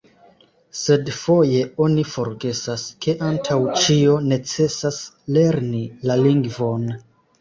Sed foje oni forgesas, ke antaŭ ĉio necesas lerni la lingvon.